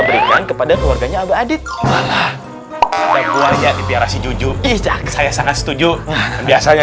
berikan kepada keluarganya adit malah ada gua ya dipiarasi jujur isyak saya sangat setuju biasanya